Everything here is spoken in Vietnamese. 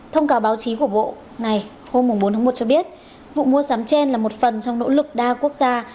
thông cáo báo chí của bộ này hôm bốn tháng một cho biết vụ mua sắm trên là một phần trong nỗ lực đa quốc gia